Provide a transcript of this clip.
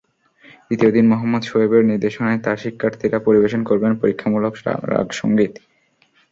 দ্বিতীয় দিন মোহাম্মদ শোয়েবের নির্দেশনায় তাঁর শিক্ষার্থীরা পরিবেশন করবেন পরীক্ষামূলক রাগসংগীত।